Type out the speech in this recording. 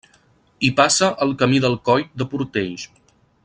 Hi passa el Camí del Coll de Portells.